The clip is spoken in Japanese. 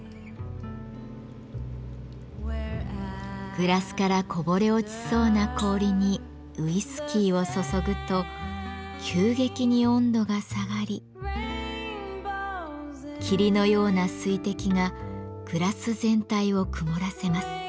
グラスからこぼれ落ちそうな氷にウイスキーを注ぐと急激に温度が下がり霧のような水滴がグラス全体を曇らせます。